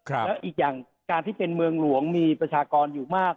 แล้วอีกอย่างการที่เป็นเมืองหลวงมีประชากรอยู่มาก